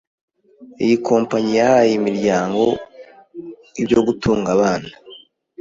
iyi kompanyi yahaye iyi miryango ibyo gutunga abana